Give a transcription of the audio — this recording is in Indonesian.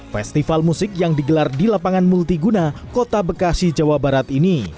festival musik yang digelar di lapangan multiguna kota bekasi jawa barat ini